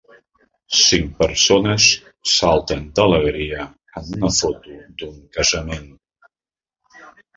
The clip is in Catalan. Cinc persones salten d'alegria en una foto d'un casament.